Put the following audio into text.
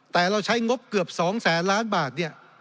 แต่เราใช้งบเกือบ๒แสนล้านบาทเนี่ย